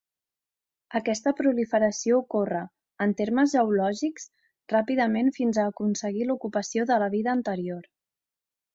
Aquesta proliferació ocorre, en termes geològics, ràpidament fins a aconseguir l'ocupació de la vida anterior.